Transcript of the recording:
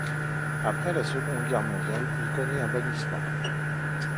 Après la Seconde Guerre mondiale, il connaît un bannissement.